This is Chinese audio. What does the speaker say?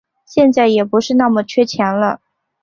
现在也不是那么缺钱了